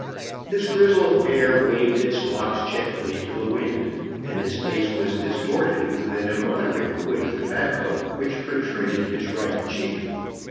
His grizzled hair waved its locks gently to the wind, and his face was distorted with an immoderate quid of tobacco which protruded his right cheek.